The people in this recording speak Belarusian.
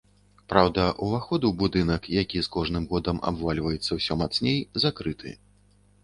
Праўда, уваход у будынак, які з кожным годам абвальваецца ўсё мацней, закрыты.